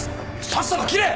さっさと切れ！